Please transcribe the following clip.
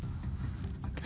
え？